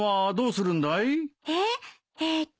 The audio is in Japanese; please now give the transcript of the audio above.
えっ？